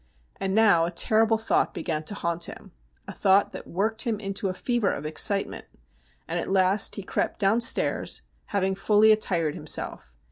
And now a terrible thought began to haunt him— a thought that worked him into a fever of ex citement — and at last he crept downstairs, having f ally attired himself.